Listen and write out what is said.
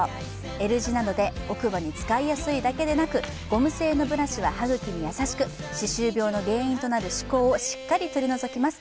Ｌ字なので奥歯に使いやすいだけでなくゴム製のブラシは歯茎に優しく歯周病の原因となる歯こうをしっかり取り除きます。